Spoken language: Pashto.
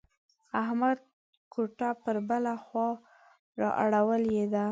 احمد کوټه پر بله خوا را اړولې ده.